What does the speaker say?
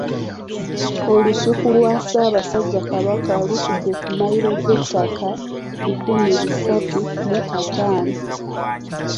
Olusuku lwa Ssaabasajja Kabaka lutudde ku mmayiro z'ettaka ebikumi bisatu mu ataano.